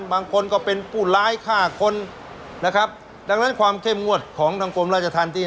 บางคนก็เป็นผู้ร้ายฆ่าคนนะครับดังนั้นความเข้มงวดของทางกรมราชธรรมที่